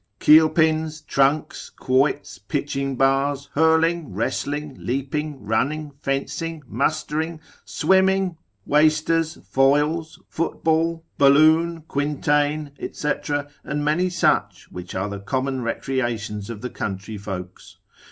Keelpins, tronks, quoits, pitching bars, hurling, wrestling, leaping, running, fencing, mustering, swimming, wasters, foils, football, balloon, quintain, &c., and many such, which are the common recreations of the country folks.